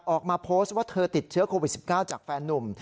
ออกมาโพสต์ว่าเธอติดเชื้อโควิด๑๙จากแฟนนุ่ม